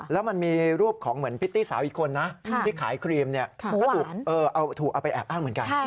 แล้วมันมีรูปของเหมือนพริตตี้สาวอีกคนนะที่ขายครีมก็ถูกเอาไปแอบอ้างเหมือนกัน